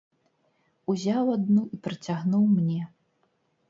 Узяў адну і працягнуў мне.